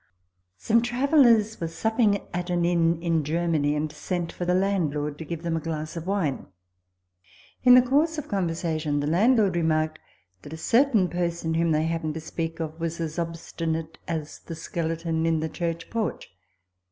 Some travellers were supping at an inn in Germany and sent for the landlord to give him a glass of wine. In the course of conversation the landlord remarked that a certain person, whom they happened to speak of, was as obstinate as the Skeleton in the Church Porch.